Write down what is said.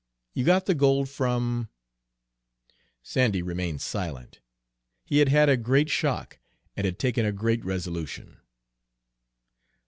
You got the gold from" Sandy remained silent. He had had a great shock, and had taken a great resolution.